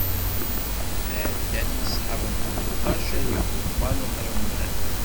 Mi ɛeddan sḥab n tmenṭac, ay igeḍman n remman.